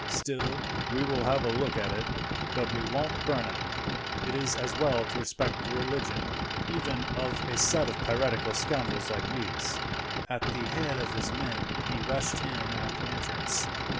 "Still, we will have a look at it, but we won't burn it; it is as well to respect the religion, even of a set of piratical scoundrels like these." At the head of his men he rushed in at the entrance.